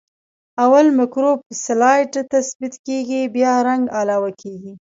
اول مکروب په سلایډ تثبیت کیږي بیا رنګ علاوه کیږي.